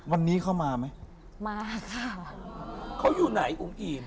วันนี้เขามาไหมมาค่ะเขาอยู่ไหนอุ๋มอิ่ม